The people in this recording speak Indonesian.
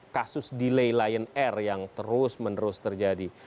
kasus delay lion air yang terus menerus terjadi